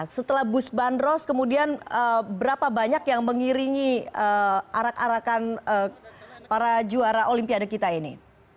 setelah bus bandros kemudian berapa banyak yang mengiringi arak arakan para juara olimpiade kita ini